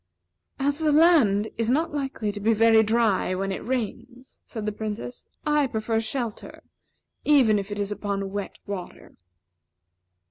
"As the land is not likely to be very dry when it rains," said the Princess, "I prefer a shelter, even if it is upon wet water."